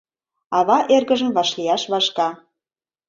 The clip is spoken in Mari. — ава эргыжым вашлияш вашка.